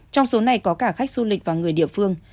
trong số này có cả khách du lịch và người địa phương